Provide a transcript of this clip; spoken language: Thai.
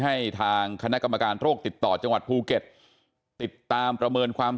ให้ทางคณะกรรมการโรคติดต่อจังหวัดภูเก็ตติดตามประเมินความ